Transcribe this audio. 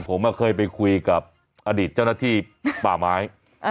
ผมเคยไปคุยกับอดีตเจ้าหน้าที่ป่าไม้